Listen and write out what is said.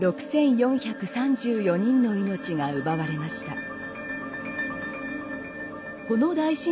６，４３４人の命が奪われました。